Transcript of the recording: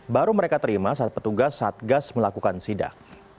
baru mereka terima saat petugas satgas melakukan sidak